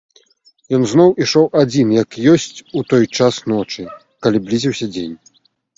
Ён зноў ішоў адзін як ёсць у той час ночы, калі блізіўся дзень.